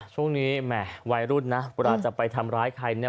ช่วงนี้แหม่วัยรุ่นน่ะปราจจะไปทำร้ายใครเนี่ย